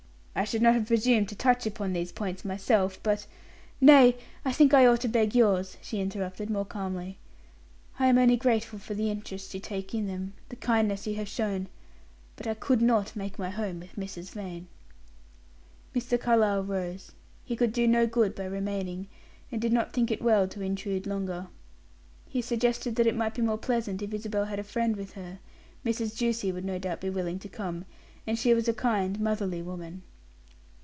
I should not have presumed to touch upon these points myself, but " "Nay, I think I ought to beg yours," she interrupted, more calmly. "I am only grateful for the interest you take in them the kindness you have shown. But I could not make my home with Mrs. Vane." Mr. Carlyle rose. He could do no good by remaining, and did not think it well to intrude longer. He suggested that it might be more pleasant if Isabel had a friend with her; Mrs. Ducie would no doubt be willing to come, and she was a kind, motherly woman.